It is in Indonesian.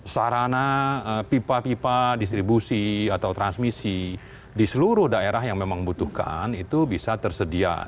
sarana pipa pipa distribusi atau transmisi di seluruh daerah yang memang butuhkan itu bisa tersedia